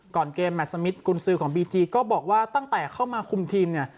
เกมแมทสมิทกุญซือของบีจีก็บอกว่าตั้งแต่เข้ามาคุมทีมเนี่ย